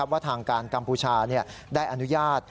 ว่าทางการกัมพูชาได้อนุญาต